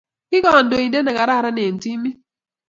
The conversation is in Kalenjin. Kii kantointe ne kararan eng timit.